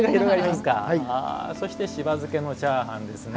そして「しば漬けのチャーハン」ですね。